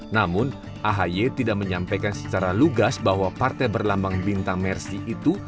namun ahy tidak menyampaikan secara lugas bahwa partai berlambang bintang mersi itu